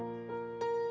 kenapa di juicy ini